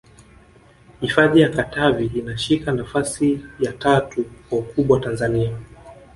hifadhi ya katavi inashika nafasi ya tatu kwa ukubwa tanzania